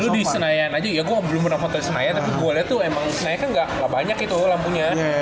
lu di senayan aja ya gue belum pernah foto senayan tapi gue lihat tuh emang senayan gak banyak itu lampunya